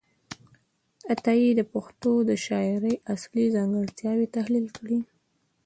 عطايي د پښتو د شاعرۍ اصلي ځانګړتیاوې تحلیل کړې دي.